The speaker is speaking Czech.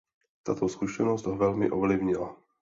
Tato zkušenost ho velmi ovlivnila.